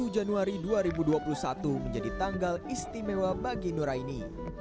satu januari dua ribu dua puluh satu menjadi tanggal istimewa bagi nur aini